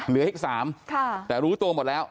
เหลืออีก๓แต่รู้ตัวหมดแล้ว